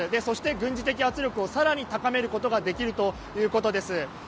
そして、軍事的圧力を更に高めることができるということです。